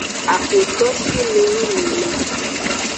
Axweto shime yi mi le.